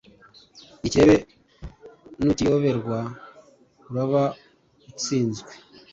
Ukirebe Nukiyoberwa uraba utsinzwe.